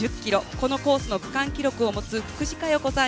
このコースの区間記録を持つ福士加代子さん